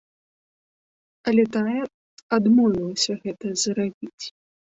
Але тая адмовілася гэта зрабіць.